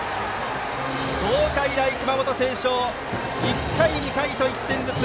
東海大熊本星翔１回、２回と１点ずつ。